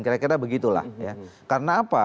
kira kira begitulah ya karena apa